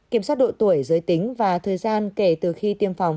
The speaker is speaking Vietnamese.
kiểm soát độ tuổi giới tính và thời gian kể từ khi tiêm phòng